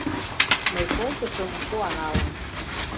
Мый колтышым куаналын